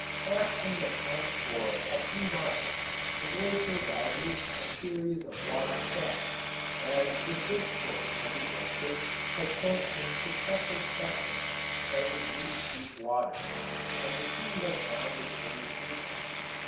Back from the front for a few miles the glacier rises in a series of wide steps, as if this portion of the glacier had sunk in successive sections as it reached deep water, and the sea had found its way beneath it.